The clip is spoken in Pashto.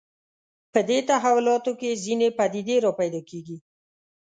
په دې تحولاتو کې ځینې پدیدې راپیدا کېږي